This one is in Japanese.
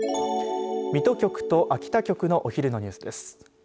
水戸局と秋田局のお昼のニュースです。